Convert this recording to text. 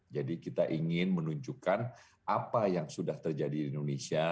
jadi kita ingin menunjukkan apa yang sudah terjadi di indonesia